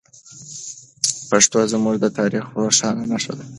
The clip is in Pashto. پښتو زموږ د تاریخ روښانه نښه ده.